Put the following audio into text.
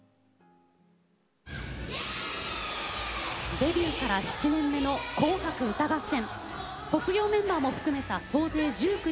デビューから７年目の「紅白歌合戦」。